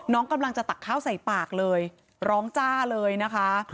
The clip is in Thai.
น้องกำลังจะตักข้าวใส่ปากเลยร้องจ้าเลยนะคะ